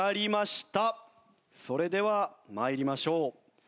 それでは参りましょう。